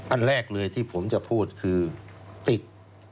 อันแรกเลยที่ผมจะพูดคือติด